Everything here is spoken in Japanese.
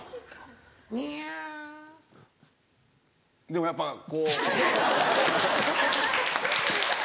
でもやっぱこう。